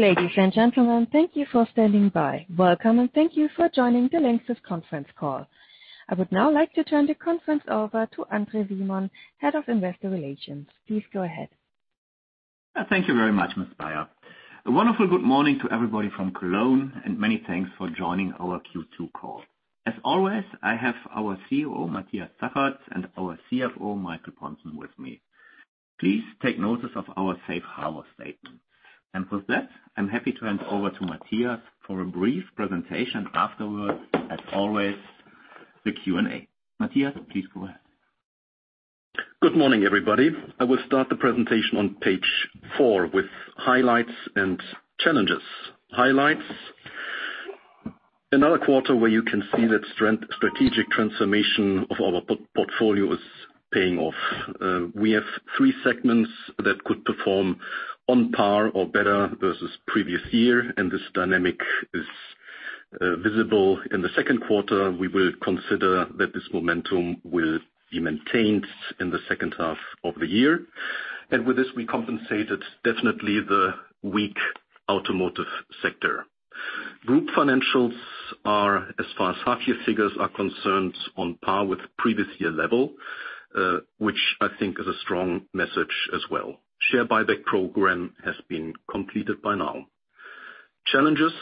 Ladies and gentlemen, thank you for standing by. Welcome, and thank you for joining the Lanxess conference call. I would now like to turn the conference over to André Simon, Head of Investor Relations. Please go ahead. Thank you very much, Ms. Bayer. A wonderful good morning to everybody from Cologne, and many thanks for joining our Q2 call. As always, I have our CEO, Matthias Zachert, and our CFO, Michael Pontzen, with me. Please take notice of our safe harbor statement. With that, I'm happy to hand over to Matthias for a brief presentation afterwards, as always, the Q&A. Matthias, please go ahead. Good morning, everybody. I will start the presentation on page four with highlights and challenges. Highlights, another quarter where you can see that strategic transformation of our portfolio is paying off. We have three segments that could perform on par or better versus previous year, and this dynamic is visible in the second quarter. We will consider that this momentum will be maintained in the second half of the year. With this, we compensated definitely the weak automotive sector. Group financials are, as far as half year figures are concerned, on par with previous year level, which I think is a strong message as well. Share buyback program has been completed by now. Challenges,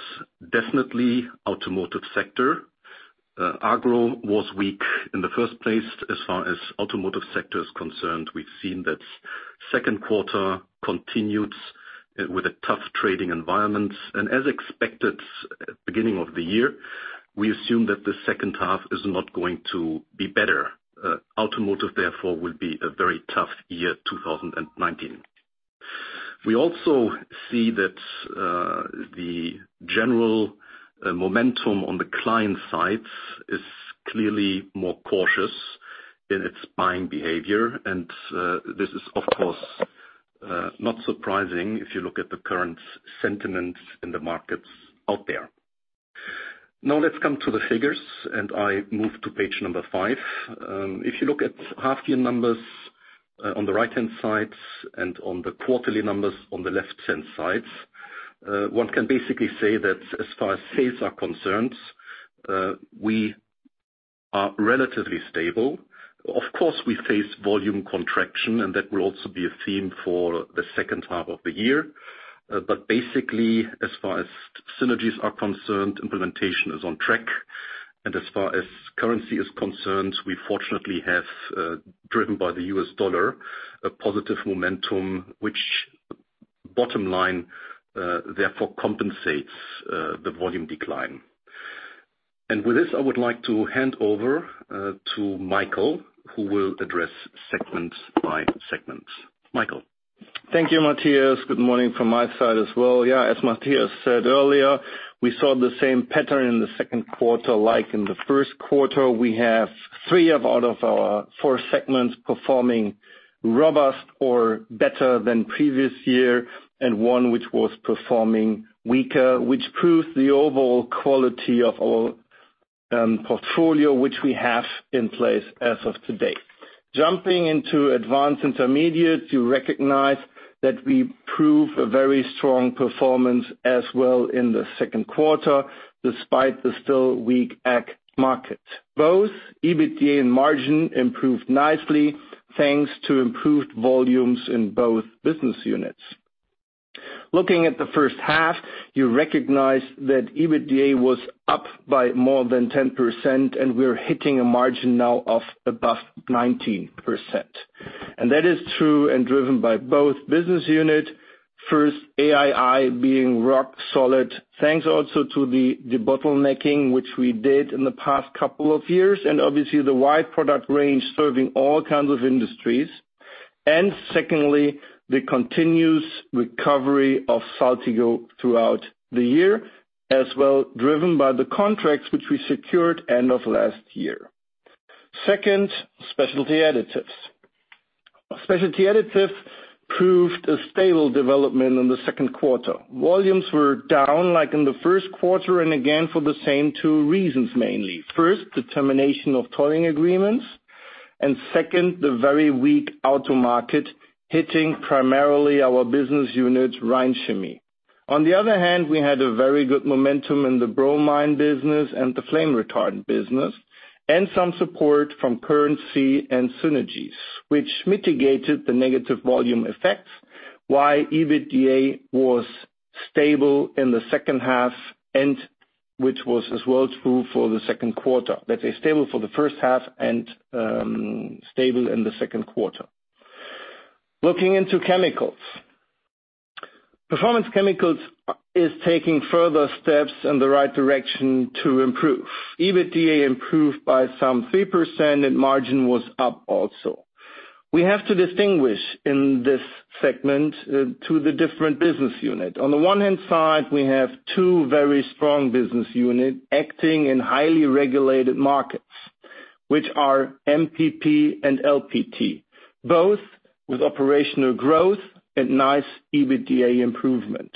definitely automotive sector. Agro was weak in the first place. As far as automotive sector is concerned, we've seen that second quarter continued with a tough trading environment. As expected at beginning of the year, we assume that the second half is not going to be better. Automotive, therefore, will be a very tough year, 2019. We also see that the general momentum on the client side is clearly more cautious in its buying behavior. This is, of course, not surprising if you look at the current sentiment in the markets out there. Now, let's come to the figures, and I move to page number five. If you look at half year numbers on the right-hand side and on the quarterly numbers on the left-hand side, one can basically say that as far as sales are concerned, we are relatively stable. Of course, we face volume contraction, and that will also be a theme for the second half of the year. Basically, as far as synergies are concerned, implementation is on track. As far as currency is concerned, we fortunately have, driven by the US dollar, a positive momentum, which bottom line, therefore compensates the volume decline. With this, I would like to hand over to Michael, who will address segment by segment. Michael. Thank you, Matthias. Good morning from my side as well. Yeah, as Matthias said earlier, we saw the same pattern in the second quarter like in the first quarter. We have three out of our four segments performing robust or better than previous year, and one which was performing weaker, which proves the overall quality of our portfolio, which we have in place as of today. Jumping into Advanced Intermediates, you recognize that we prove a very strong performance as well in the second quarter, despite the still weak ag market. Both EBITDA and margin improved nicely thanks to improved volumes in both business units. Looking at the first half, you recognize that EBITDA was up by more than 10%, and we're hitting a margin now of above 19%. That is true and driven by both business unit. First, AII being rock solid, thanks also to the debottlenecking, which we did in the past couple of years, and obviously the wide product range serving all kinds of industries. Secondly, the continuous recovery of Saltigo throughout the year, as well, driven by the contracts which we secured end of last year. Second, Specialty Additives. Specialty Additives proved a stable development in the second quarter. Volumes were down like in the first quarter, and again, for the same two reasons mainly. First, the termination of tolling agreements, and second, the very weak auto market hitting primarily our business unit, Rhein Chemie. On the other hand, we had a very good momentum in the bromine business and the flame retardant business, and some support from currency and synergies, which mitigated the negative volume effects, why EBITDA was stable in the second half, and which was as well true for the second quarter. Let's say stable for the first half and stable in the second quarter. Looking into chemicals. Performance Chemicals is taking further steps in the right direction to improve. EBITDA improved by some 3% and margin was up also. We have to distinguish in this segment to the different business unit. On the one hand side, we have two very strong business unit acting in highly regulated markets, which are MPP and LPT, both with operational growth and nice EBITDA improvement.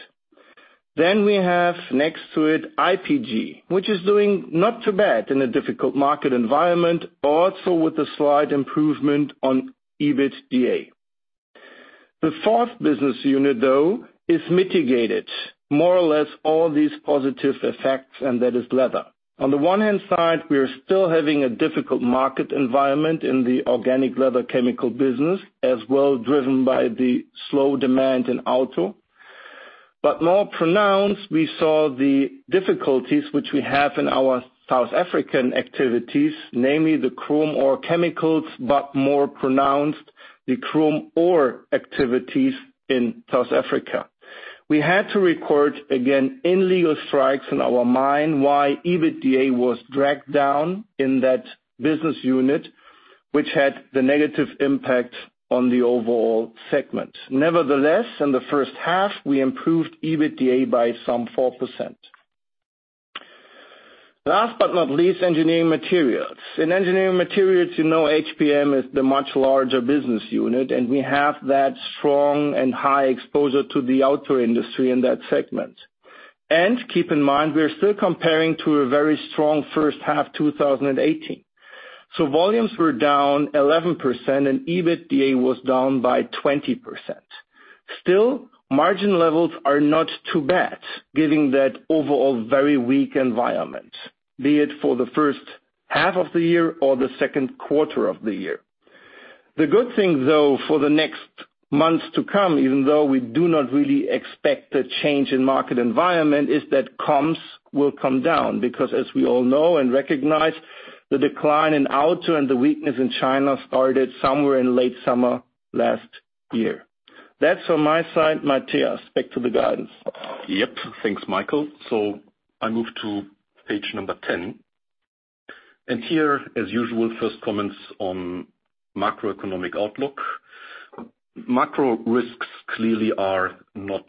We have next to it, IPG, which is doing not too bad in a difficult market environment, also with a slight improvement on EBITDA. The fourth business unit, though, is mitigated more or less all these positive effects, and that is Leather. On the one hand side, we are still having a difficult market environment in the organic leather chemical business, as well driven by the slow demand in auto. More pronounced, we saw the difficulties which we have in our South African activities, namely the chrome ore chemicals, but more pronounced the chrome ore activities in South Africa. We had to record again illegal strikes in our mine why EBITDA was dragged down in that business unit, which had the negative impact on the overall segment. In the first half, we improved EBITDA by some 4%. Last but not least, Engineering Materials. In Engineering Materials, you know HPM is the much larger business unit, We have that strong and high exposure to the auto industry in that segment. Keep in mind, we are still comparing to a very strong first half 2018. Volumes were down 11% and EBITDA was down by 20%. Still, margin levels are not too bad, given that overall very weak environment, be it for the first half of the year or the second quarter of the year. The good thing, though, for the next months to come, even though we do not really expect a change in market environment, is that comps will come down, because as we all know and recognize, the decline in auto and the weakness in China started somewhere in late summer last year. That's on my side, Matthias, back to the guidance. Yep. Thanks, Michael. I move to page number 10. Here, as usual, first comments on macroeconomic outlook. Macro risks clearly are not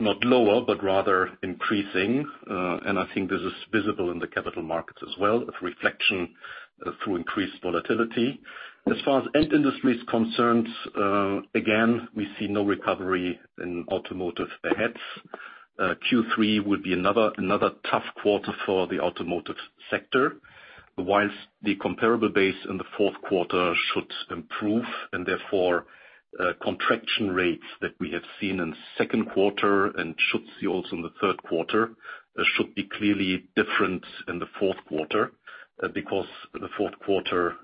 lower, but rather increasing. I think this is visible in the capital markets as well, a reflection through increased volatility. As far as end industry is concerned, again, we see no recovery in automotive ahead. Q3 would be another tough quarter for the automotive sector, whilst the comparable base in the fourth quarter should improve, therefore, contraction rates that we have seen in second quarter and should see also in the third quarter should be clearly different in the fourth quarter, because the fourth quarter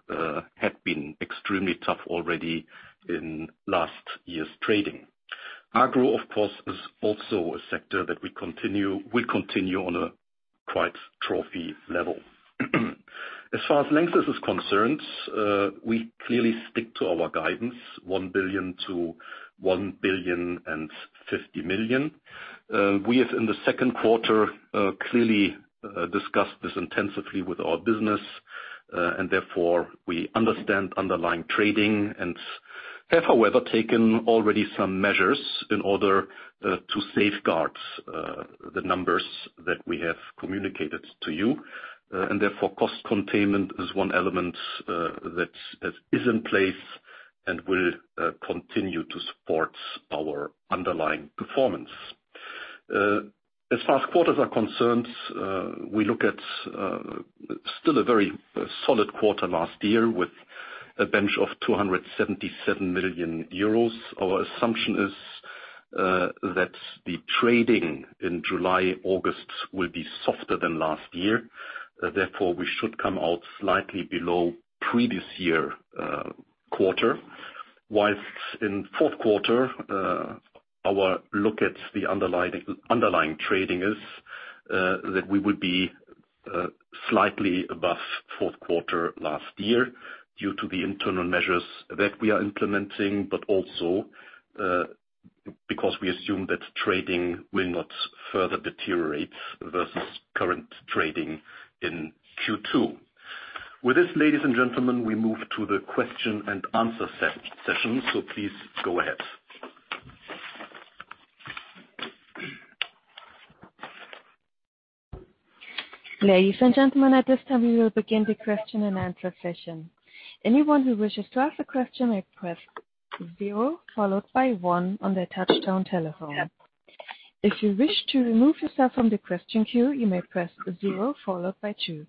had been extremely tough already in last year's trading. Agro, of course, is also a sector that will continue on a quite trough-y level. As far as Lanxess is concerned, we clearly stick to our guidance, 1 billion-1.05 billion. We have, in the second quarter, clearly discussed this intensively with our business, and therefore, we understand underlying trading and have, however, taken already some measures in order to safeguard the numbers that we have communicated to you. Therefore cost containment is one element that is in place and will continue to support our underlying performance. As far as quarters are concerned, we look at still a very solid quarter last year with a bench of 277 million euros. Our assumption is that the trading in July, August will be softer than last year. Therefore, we should come out slightly below previous year quarter. Whilst in fourth quarter, our look at the underlying trading is that we would be slightly above fourth quarter last year due to the internal measures that we are implementing, but also because we assume that trading will not further deteriorate versus current trading in Q2. With this, ladies and gentlemen, we move to the question-and-answer session. Please go ahead. Ladies and gentlemen, at this time, we will begin the question-and-answer session. Anyone who wishes to ask a question may press zero followed by one on their touchtone telephone. If you wish to remove yourself from the question queue, you may press zero followed by two.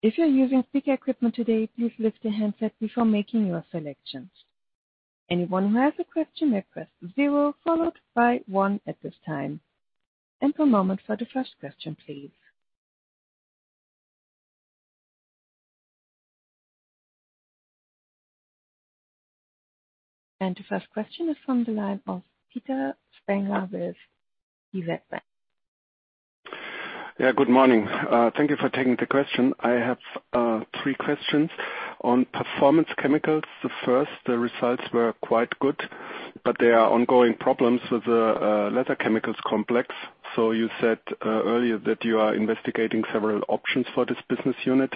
If you're using speaker equipment today, please lift the handset before making your selections. Anyone who has a question may press zero followed by one at this time. A moment for the first question, please. The first question is from the line of Peter Spengler with Good morning. Thank you for taking the question. I have three questions. On Performance Chemicals, the first, the results were quite good. There are ongoing problems with the Leather Chemicals complex. You said earlier that you are investigating several options for this business unit.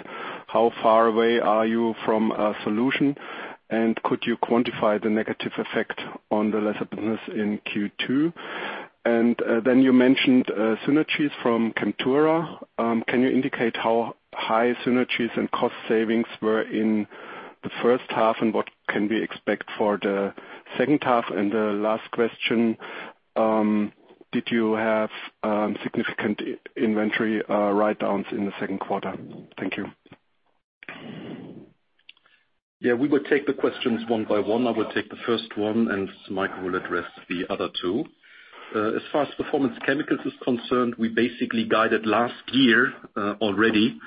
How far away are you from a solution? Could you quantify the negative effect on the Leather business in Q2? You mentioned synergies from Chemtura. Can you indicate how high synergies and cost savings were in the first half and what can we expect for the second half? The last question, did you have significant inventory write-downs in the second quarter? Thank you. Yeah, we will take the questions one by one. I will take the first one and Michael will address the other two. As far as Performance Chemicals is concerned, we basically guided last year already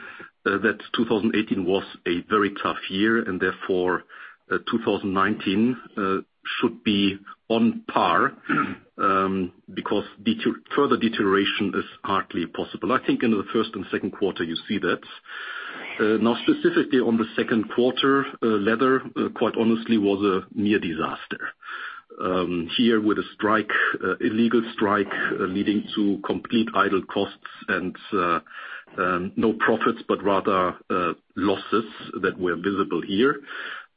that 2018 was a very tough year, and therefore, 2019 should be on par, because further deterioration is hardly possible. I think in the first and second quarter, you see that. Specifically on the second quarter, Leather, quite honestly, was a near disaster. Here with illegal strike leading to complete idle costs and no profits, but rather losses that were visible here.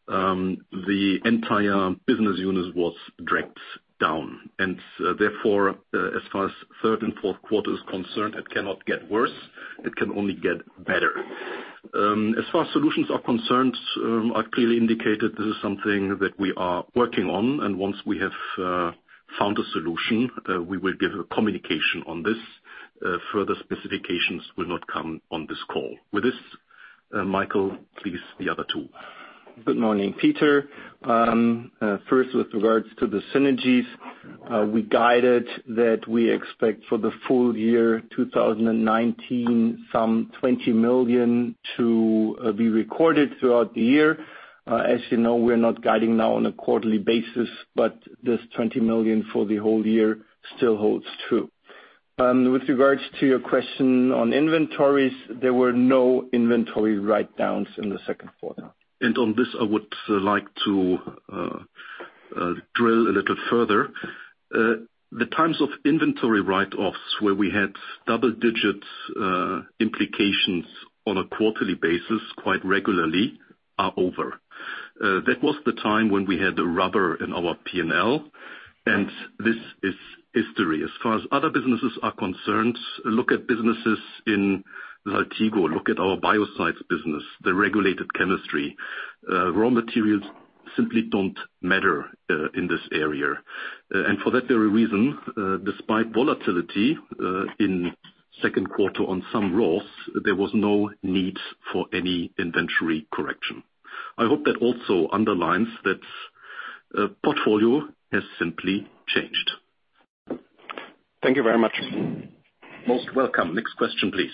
The entire business unit was dragged down, and therefore, as far as third and fourth quarter is concerned, it cannot get worse. It can only get better. As far as solutions are concerned, I clearly indicated this is something that we are working on, and once we have found a solution, we will give a communication on this. Further specifications will not come on this call. With this, Michael, please, the other two. Good morning, Peter. First, with regards to the synergies, we guided that we expect for the full year 2019, some 20 million to be recorded throughout the year. As you know, we're not guiding now on a quarterly basis. This 20 million for the whole year still holds true. With regards to your question on inventories, there were no inventory write-downs in the second quarter. On this, I would like to drill a little further. The times of inventory write-offs where we had double digits implications on a quarterly basis quite regularly are over. That was the time when we had the rubber in our P&L, and this is history. As far as other businesses are concerned, look at businesses in Saltigo, look at our biocides business, the regulated chemistry. Raw materials simply don't matter in this area. For that very reason, despite volatility, in second quarter on some raws, there was no need for any inventory correction. I hope that also underlines that portfolio has simply changed. Thank you very much. Most welcome. Next question, please.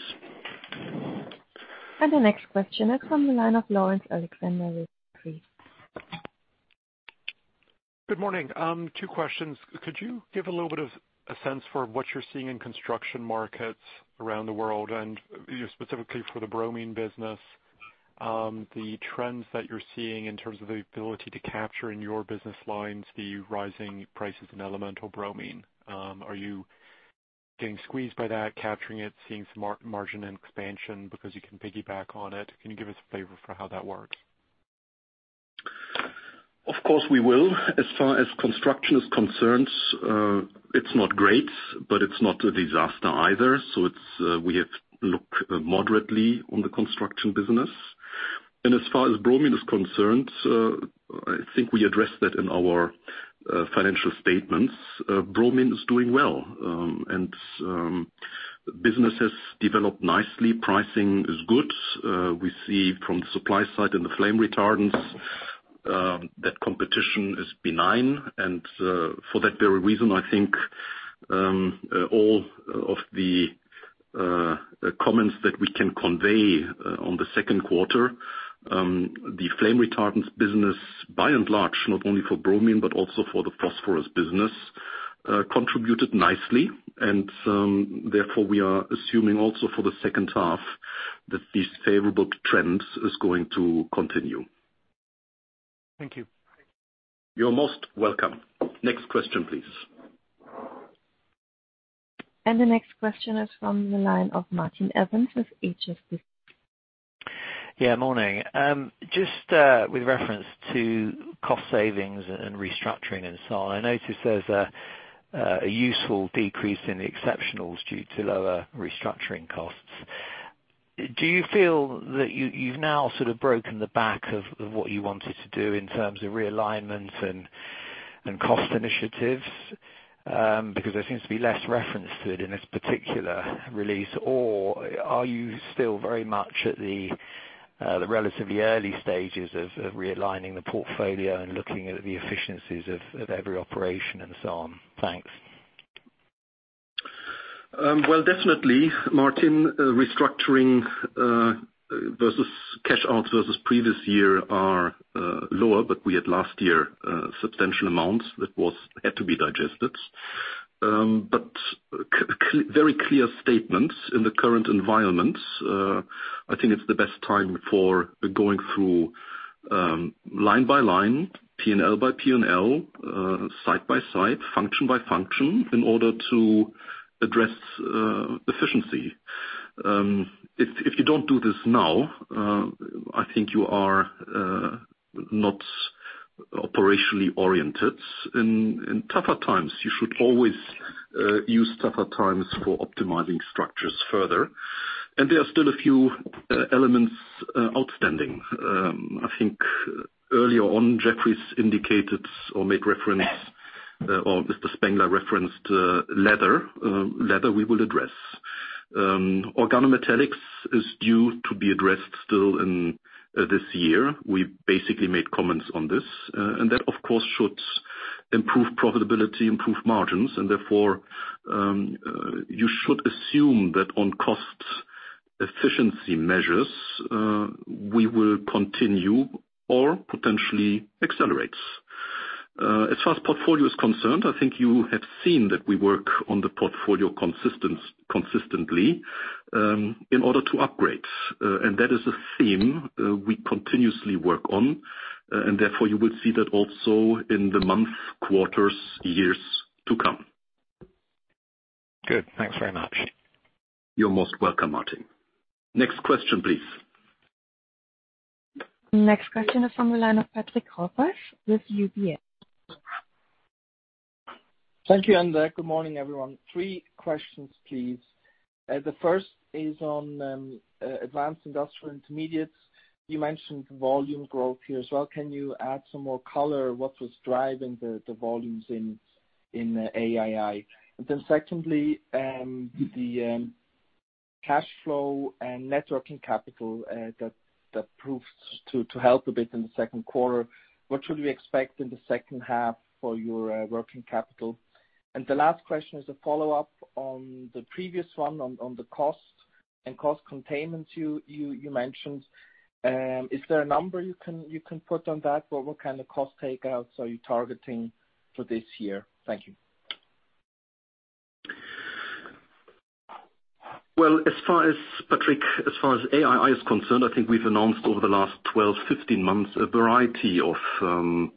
The next question is from the line of Laurence Alexander with Good morning. Two questions. Could you give a little bit of a sense for what you're seeing in construction markets around the world and specifically for the bromine business, the trends that you're seeing in terms of the ability to capture in your business lines the rising prices in elemental bromine. Are you getting squeezed by that, capturing it, seeing some margin expansion because you can piggyback on it? Can you give us a flavor for how that works? Of course, we will. As far as construction is concerned, it's not great, but it's not a disaster either. We have looked moderately on the construction business. As far as bromine is concerned, I think we addressed that in our financial statements. Bromine is doing well and business has developed nicely. Pricing is good. We see from the supply side and the flame retardants that competition is benign, and for that very reason, I think all of the comments that we can convey on the second quarter, the flame retardants business by and large, not only for bromine but also for the phosphorus business, contributed nicely and therefore we are assuming also for the second half that this favorable trend is going to continue. Thank you. You're most welcome. Next question, please. The next question is from the line of Martin Evans with HSBC. Yeah, morning. With reference to cost savings and restructuring and so on. I notice there's a useful decrease in the exceptionals due to lower restructuring costs. Do you feel that you've now sort of broken the back of what you wanted to do in terms of realignment and cost initiatives? There seems to be less reference to it in this particular release. Are you still very much at the relatively early stages of realigning the portfolio and looking at the efficiencies of every operation and so on? Thanks. Well, definitely, Martin. Restructuring versus cash outs versus previous year are lower, but we had last year substantial amounts that had to be digested. Very clear statements in the current environment, I think it's the best time for going through line by line, P&L by P&L, site by site, function by function in order to address efficiency. If you don't do this now, I think you are not operationally oriented. In tougher times, you should always use tougher times for optimizing structures further. There are still a few elements outstanding. I think earlier on, Jefferies indicated or Mr. Spengler referenced Leather. Leather we will address. Organometallics is due to be addressed still in this year. We basically made comments on this, and that, of course, should improve profitability, improve margins, and therefore, you should assume that on cost efficiency measures, we will continue or potentially accelerates. As far as portfolio is concerned, I think you have seen that we work on the portfolio consistently in order to upgrade. That is a theme we continuously work on, and therefore you will see that also in the month, quarters, years to come. Good. Thanks very much. You're most welcome, Martin. Next question, please. Next question is from the line of Patrick Hopf with UBS. Thank you, André. Good morning, everyone. Three questions, please. The first is on Advanced Intermediates. You mentioned volume growth here as well. Can you add some more color? What was driving the volumes in AII? Secondly, the cash flow and net working capital that proves to help a bit in the second quarter. What should we expect in the second half for your working capital? The last question is a follow-up on the previous one on the cost and cost containments you mentioned. Is there a number you can put on that, or what kind of cost takeouts are you targeting for this year? Thank you. Well, Patrick, as far as AII is concerned, I think we've announced over the last 12, 15 months, a variety of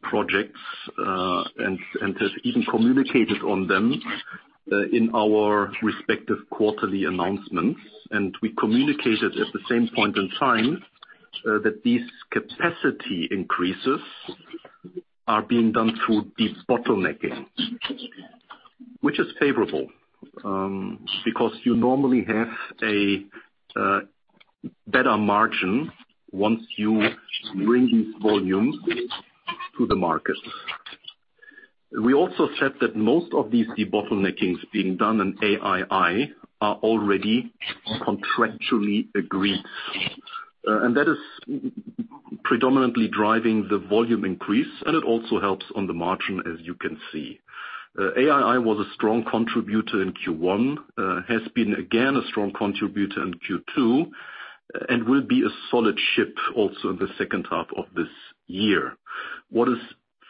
projects, and have even communicated on them in our respective quarterly announcements. We communicated at the same point in time that these capacity increases are being done through debottlenecking. Which is favorable, because you normally have a better margin once you bring these volumes to the market. We also said that most of these debottleneckings being done in AII are already contractually agreed. That is predominantly driving the volume increase, and it also helps on the margin, as you can see. AII was a strong contributor in Q1, has been again, a strong contributor in Q2, and will be a solid ship also in the second half of this year. What is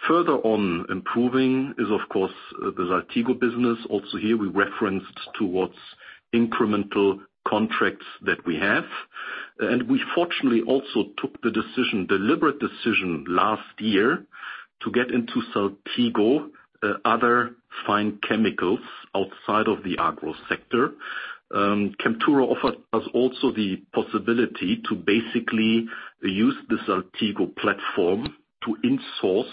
further on improving is, of course, the Saltigo business. Here we referenced towards incremental contracts that we have. We fortunately also took the deliberate decision last year to get into Saltigo other fine chemicals outside of the agro sector. Chemtura offers us also the possibility to basically use the Saltigo platform to insource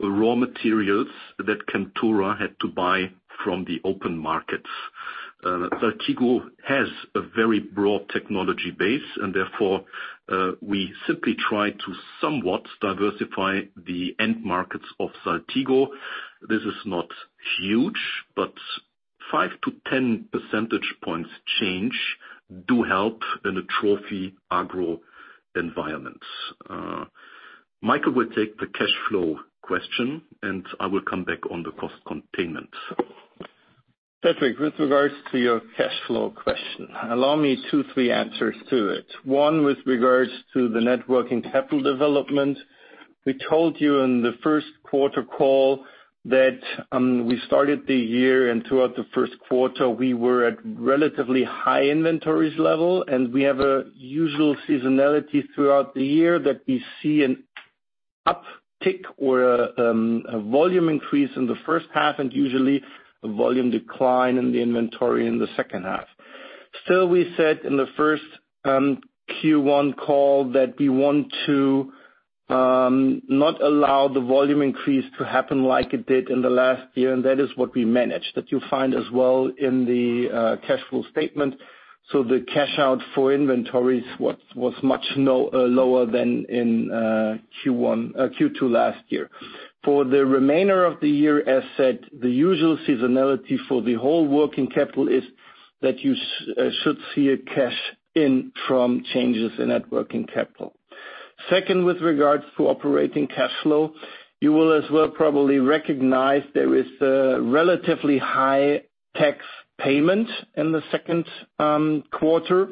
raw materials that Chemtura had to buy from the open markets. Saltigo has a very broad technology base, and therefore, we simply try to somewhat diversify the end markets of Saltigo. This is not huge, but 5-10 percentage points change do help in a trough-y agro environment. Michael will take the cash flow question, and I will come back on the cost containment. Patrick, with regards to your cash flow question, allow me two, three answers to it. One, with regards to the net working capital development. We told you in the first quarter call that we started the year and throughout the first quarter, we were at relatively high inventories level, and we have a usual seasonality throughout the year that we see an uptick or a volume increase in the first half and usually a volume decline in the inventory in the second half. Still, we said in the first Q1 call that we want to not allow the volume increase to happen like it did in the last year, and that is what we managed. That you find as well in the cash flow statement. The cash out for inventories was much lower than in Q2 last year. For the remainder of the year, as said, the usual seasonality for the whole working capital is that you should see a cash in from changes in net working capital. With regards to operating cash flow, you will as well probably recognize there is a relatively high tax payment in the second quarter.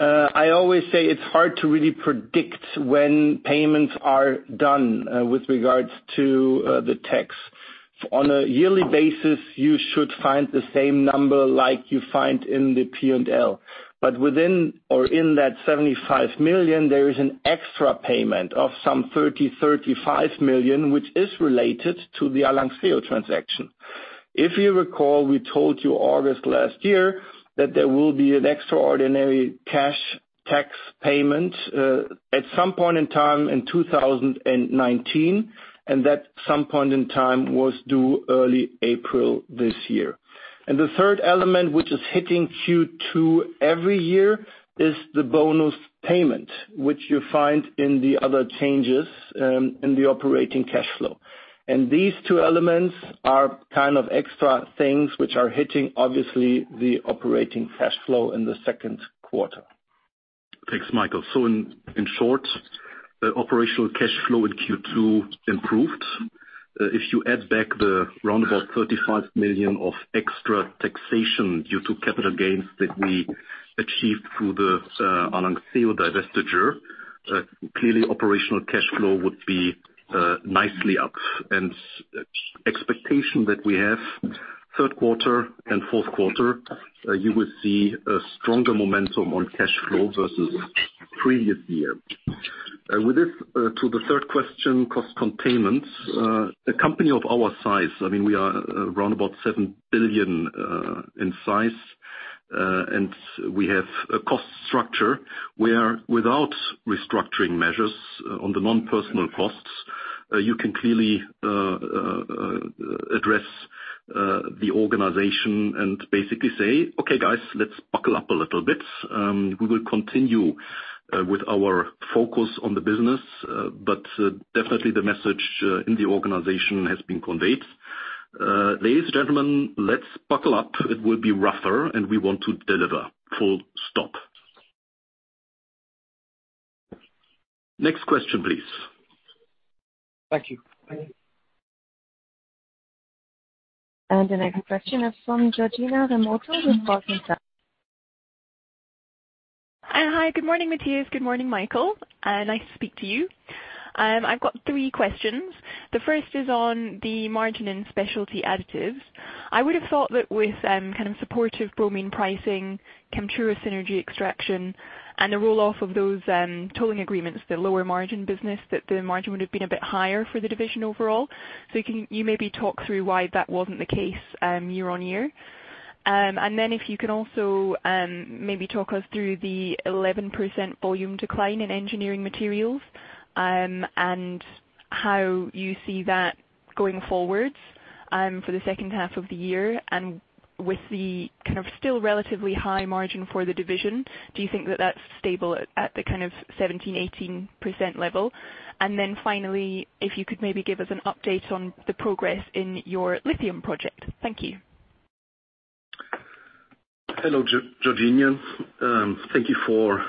I always say it's hard to really predict when payments are done with regards to the tax. On a yearly basis, you should find the same number like you find in the P&L. Within or in that 75 million, there is an extra payment of some 30 million-35 million, which is related to the Arlanxeo transaction. If you recall, we told you August last year that there will be an extraordinary cash tax payment at some point in time in 2019, and that some point in time was due early April this year. The third element, which is hitting Q2 every year, is the bonus payment, which you find in the other changes in the operating cash flow. These two elements are kind of extra things which are hitting obviously the operating cash flow in the second quarter. Thanks, Michael. In short, the operational cash flow in Q2 improved. If you add back the roundabout 35 million of extra taxation due to capital gains that we achieved through the Arlanxeo divestiture, clearly operational cash flow would be nicely up. Expectation that we have third quarter and fourth quarter, you will see a stronger momentum on cash flow versus previous year. With this to the third question, cost containments. A company of our size, we are around about 7 billion in size, and we have a cost structure where without restructuring measures on the non-personal costs, you can clearly address the organization and basically say, "Okay guys, let's buckle up a little bit. We will continue with our focus on the business," but definitely the message in the organization has been conveyed. "Ladies, gentlemen, let's buckle up. It will be rougher and we want to deliver. Full stop. Next question, please. Thank you. The next question is from Georgina Fraser with Barclays. Hi. Good morning, Matthias. Good morning, Michael. Nice to speak to you. I've got three questions. The first is on the margin in Specialty Additives. I would've thought that with kind of supportive bromine pricing, Chemtura synergy extraction, and the roll-off of those tolling agreements, the lower margin business, that the margin would've been a bit higher for the division overall. Can you maybe talk through why that wasn't the case year-on-year? If you can also maybe talk us through the 11% volume decline in Engineering Materials, and how you see that going forwards for the second half of the year and with the kind of still relatively high margin for the division, do you think that that's stable at the kind of 17%-18% level? Finally, if you could maybe give us an update on the progress in your lithium project. Thank you. Hello, Georgina. Thank you for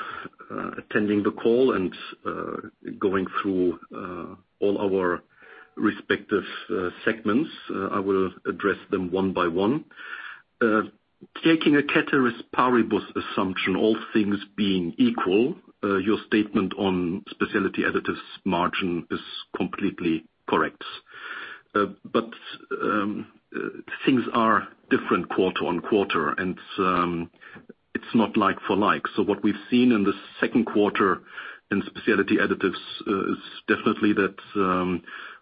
attending the call and going through all our respective segments. I will address them one by one. Taking a ceteris paribus assumption, all things being equal, your statement on Specialty Additives margin is completely correct. Things are different quarter-on-quarter and it is not like for like. What we have seen in the second quarter in Specialty Additives is definitely that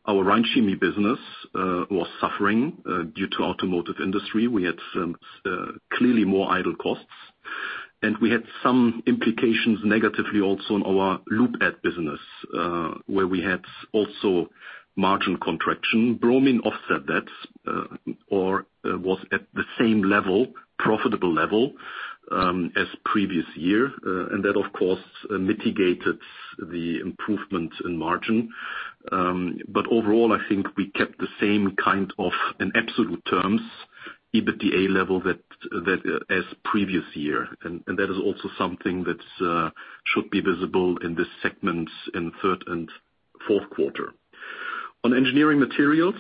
our Rhein Chemie business was suffering due to automotive industry. We had clearly more idle costs and we had some implications negatively also in our Lubricant Additives business, where we had also margin contraction. bromine offset that or was at the same profitable level as previous year. That of course mitigated the improvement in margin. Overall, I think we kept the same kind of, in absolute terms, EBITDA level as previous year. That is also something that should be visible in this segment in third and fourth quarter. On Engineering Materials,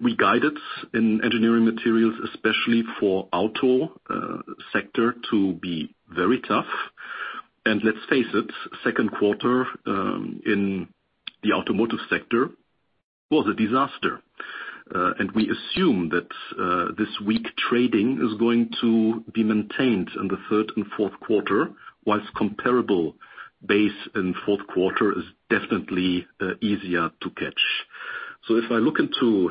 we guided in Engineering Materials, especially for auto sector, to be very tough. Let's face it, second quarter in the automotive sector was a disaster. We assume that this weak trading is going to be maintained in the third and fourth quarter, whilst comparable base in fourth quarter is definitely easier to catch. If I look into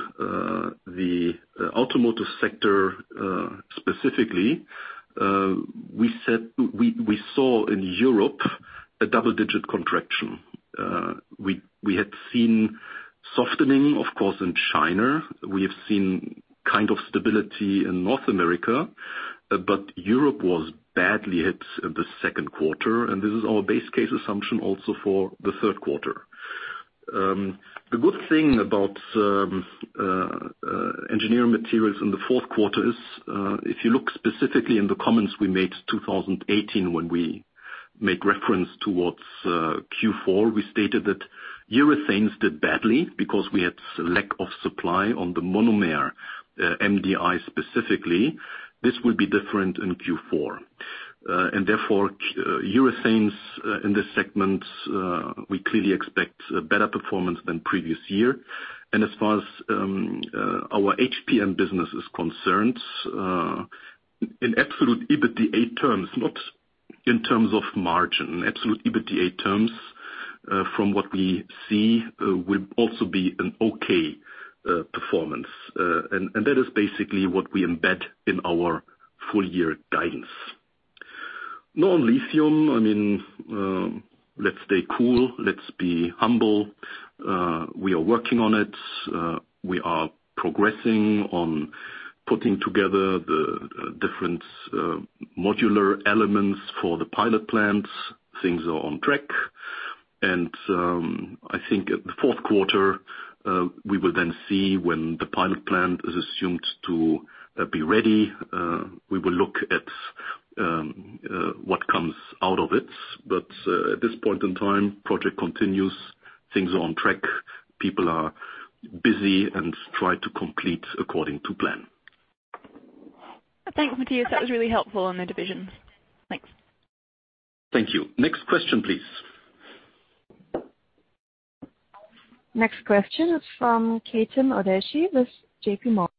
the automotive sector specifically, we saw in Europe a double-digit contraction. We had seen softening of course in China. We have seen kind of stability in North America, but Europe was badly hit the second quarter, and this is our base case assumption also for the third quarter. The good thing about Engineering Materials in the fourth quarter is, if you look specifically in the comments we made 2018 when we make reference towards Q4, we stated that urethanes did badly because we had lack of supply on the monomer, MDI specifically. This will be different in Q4. Therefore, urethanes in this segment, we clearly expect a better performance than previous year. As far as our HPM business is concerned, in absolute EBITDA terms, not in terms of margin, absolute EBITDA terms, from what we see will also be an okay performance. That is basically what we embed in our full-year guidance. Now on lithium, let's stay cool. Let's be humble. We are working on it. We are progressing on putting together the different modular elements for the pilot plants. Things are on track. I think at the fourth quarter, we will then see when the pilot plant is assumed to be ready. We will look at what comes out of it. At this point in time, project continues. Things are on track. People are busy and try to complete according to plan. Thanks, Matthias. That was really helpful on the divisions. Thanks. Thank you. Next question, please. Next question is from Chetan Udeshi with JP Morgan.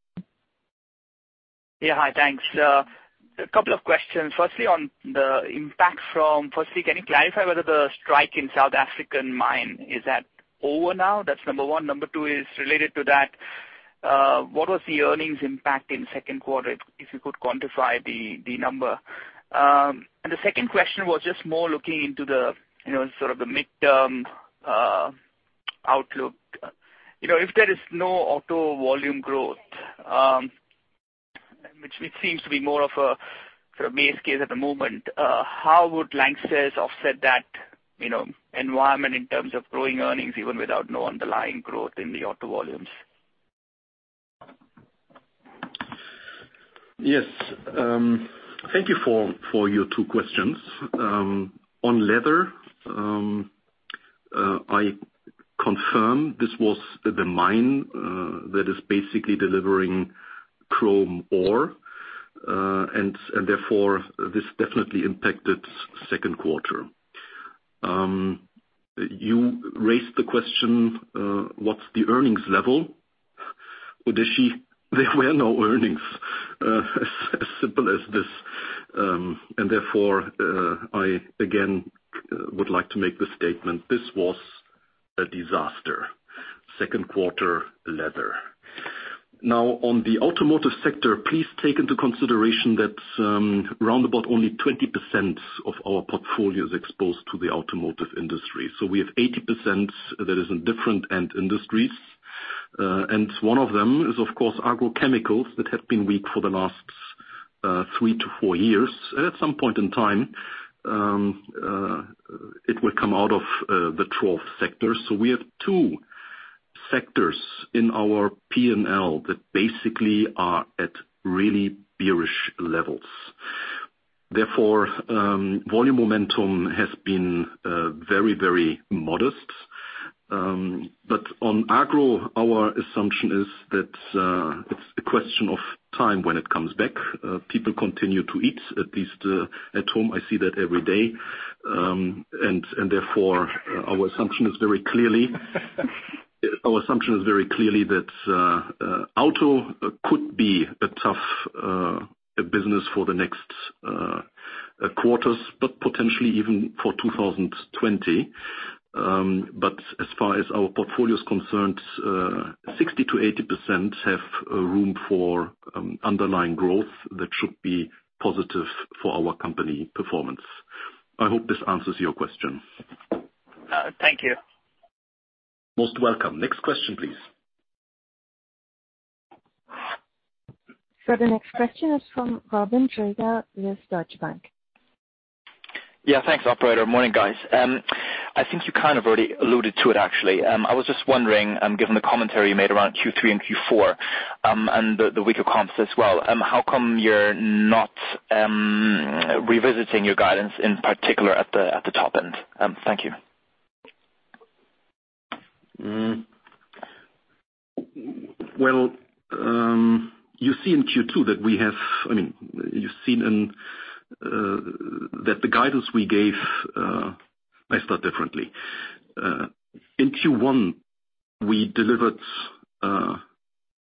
Yeah. Hi. Thanks. A couple of questions. Firstly, can you clarify whether the strike in South African mine, is that over now? That's number one. Number two is related to that. What was the earnings impact in the second quarter, if you could quantify the number? The second question was just more looking into the midterm outlook. If there is no auto volume growth, which seems to be more of a base case at the moment, how would Lanxess offset that environment in terms of growing earnings even without no underlying growth in the auto volumes? Yes. Thank you for your two questions. On Leather, I confirm this was the mine that is basically delivering chrome ore, and therefore this definitely impacted second quarter. You raised the question, what's the earnings level? Udeshi, there were no earnings. As simple as this. Therefore, I again would like to make the statement, this was a disaster. Second quarter Leather. On the automotive sector, please take into consideration that around about only 20% of our portfolio is exposed to the automotive industry. We have 80% that is in different end industries. One of them is, of course, agrochemicals that have been weak for the last three to four years. At some point in time, it will come out of the trough sector. We have two sectors in our P&L that basically are at really bearish levels. Therefore, volume momentum has been very modest. On Agro, our assumption is that it's a question of time when it comes back. People continue to eat, at least at home. I see that every day. Therefore, our assumption is very clearly that auto could be a tough business for the next quarters, but potentially even for 2020. As far as our portfolio is concerned, 60%-80% have room for underlying growth that should be positive for our company performance. I hope this answers your question. Thank you. Most welcome. Next question, please. The next question is from Robin Dreyer with Deutsche Bank. Yeah. Thanks, operator. Morning, guys. I think you kind of already alluded to it, actually. I was just wondering, given the commentary you made around Q3 and Q4, and the weaker comps as well, how come you're not revisiting your guidance in particular at the top end? Thank you. Well, you see in Q2. I'll start differently. In Q1, we delivered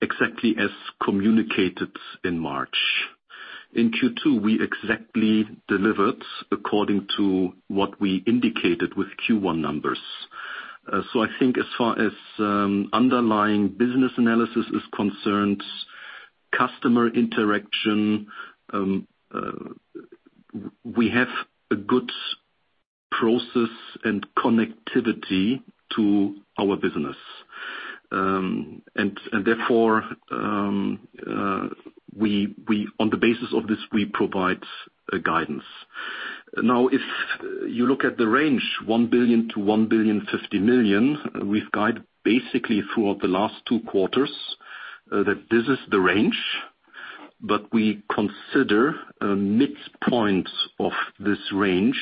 exactly as communicated in March. In Q2, we exactly delivered according to what we indicated with Q1 numbers. I think as far as underlying business analysis is concerned, customer interaction, we have a good process and connectivity to our business. On the basis of this, we provide a guidance. If you look at the range, 1 billion-1.05 billion, we've guided basically throughout the last 2 quarters that this is the range. We consider a midpoint of this range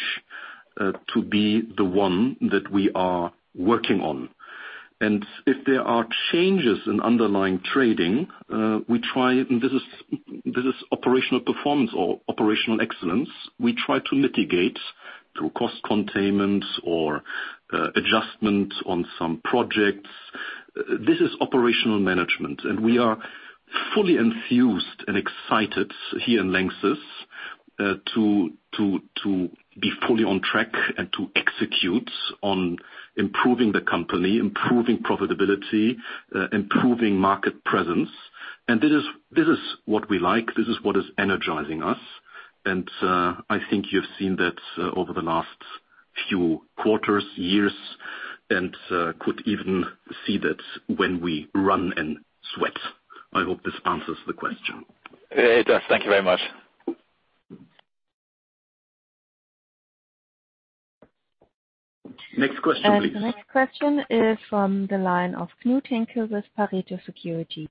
to be the one that we are working on. If there are changes in underlying trading, and this is operational performance or operational excellence, we try to mitigate through cost containment or adjustment on some projects. This is operational management. We are fully enthused and excited here in Lanxess. To be fully on track and to execute on improving the company, improving profitability, improving market presence. This is what we like. This is what is energizing us. I think you've seen that over the last few quarters, years, and could even see that when we run and sweat. I hope this answers the question. It does. Thank you very much. Next question, please. The next question is from the line of Knut Henkel with Pareto Securities.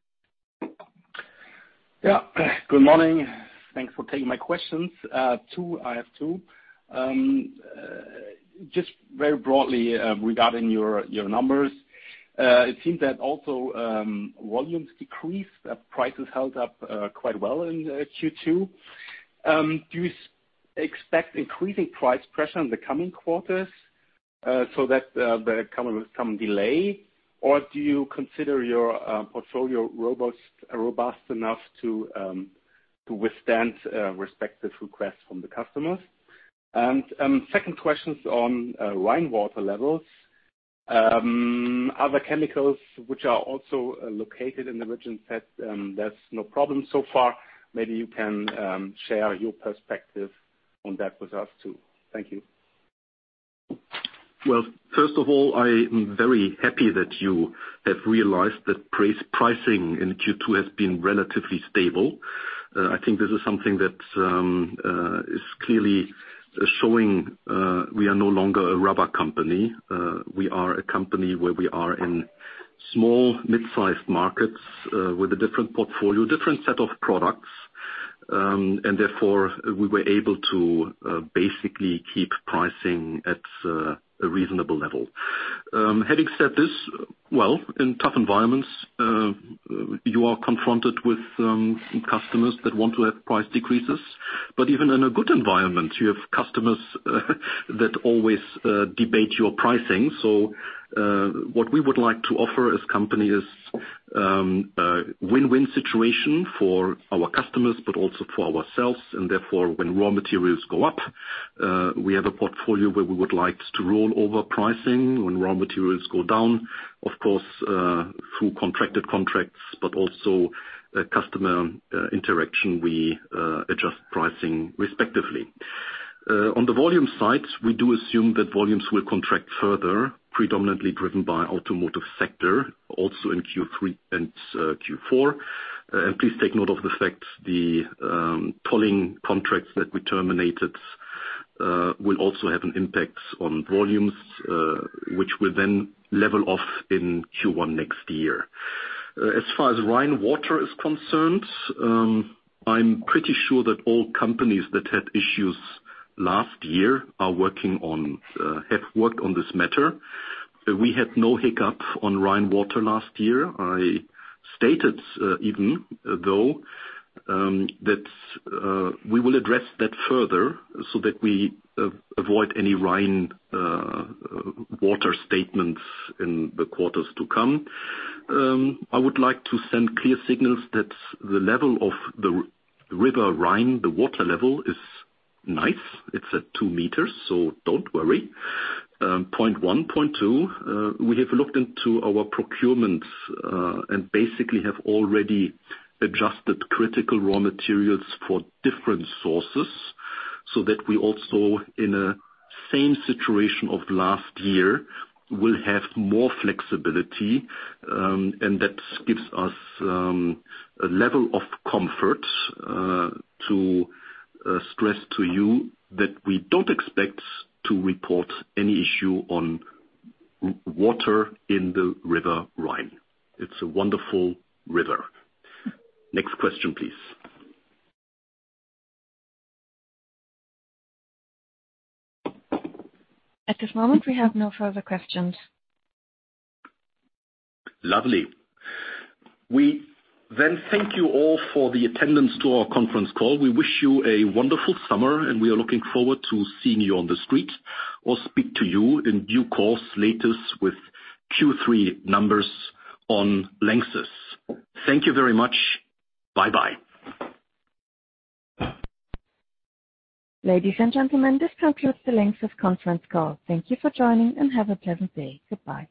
Yeah. Good morning. Thanks for taking my questions. I have two. Just very broadly regarding your numbers. It seems that also volumes decreased, prices held up quite well in Q2. Do you expect increasing price pressure in the coming quarters, so that there come a delay, or do you consider your portfolio robust enough to withstand respective requests from the customers? Second question is on Rhine water levels. Other chemicals which are also located in the region said there's no problem so far. Maybe you can share your perspective on that with us, too. Thank you. Well, first of all, I am very happy that you have realized that pricing in Q2 has been relatively stable. I think this is something that is clearly showing we are no longer a rubber company. We are a company where we are in small, mid-size markets with a different portfolio, different set of products. Therefore, we were able to basically keep pricing at a reasonable level. Having said this, well, in tough environments, you are confronted with some customers that want to have price decreases. Even in a good environment, you have customers that always debate your pricing. What we would like to offer as company is a win-win situation for our customers, but also for ourselves, and therefore, when raw materials go up, we have a portfolio where we would like to roll over pricing. When raw materials go down, of course, through contracted contracts, but also customer interaction, we adjust pricing respectively. On the volume side, we do assume that volumes will contract further, predominantly driven by automotive sector, also in Q3 and Q4. Please take note of the fact the tolling contracts that we terminated will also have an impact on volumes, which will then level off in Q1 next year. As far as Rhine water is concerned, I'm pretty sure that all companies that had issues last year have worked on this matter. We had no hiccup on Rhine water last year. I stated even though that we will address that further so that we avoid any Rhine water statements in the quarters to come. I would like to send clear signals that the level of the River Rhine, the water level is nice. It's at two meters. Don't worry. Point one, point two, we have looked into our procurements, basically have already adjusted critical raw materials for different sources, so that we also, in a same situation of last year, will have more flexibility. That gives us a level of comfort to stress to you that we don't expect to report any issue on water in the River Rhine. It's a wonderful river. Next question, please. At this moment, we have no further questions. Lovely. We thank you all for the attendance to our conference call. We wish you a wonderful summer, and we are looking forward to seeing you on the street or speak to you in due course latest with Q3 numbers on Lanxess. Thank you very much. Bye-bye. Ladies and gentlemen, this concludes the Lanxess conference call. Thank you for joining, and have a pleasant day. Goodbye.